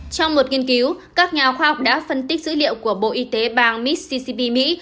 trong một nghiên cứu các nhà khoa học đã phân tích dữ liệu của bộ y tế bang miss ccp mỹ